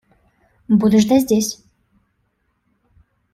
Буду ждать здесь.